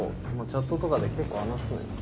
チャットとかで結構話すのよ。